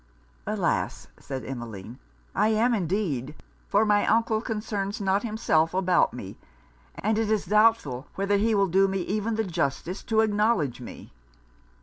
'Alas!' said Emmeline, 'I am indeed! for my uncle concerns not himself about me, and it is doubtful whether he will do me even the justice to acknowledge me.'